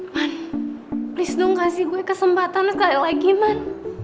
man please dong kasih gua kesempatan sekali lagi man